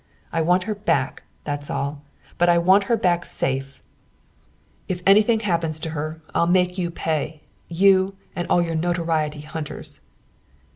I want her back, that's all. But I want her back safe. And if anything happens to her I'll make you pay you and all your notoriety hunters."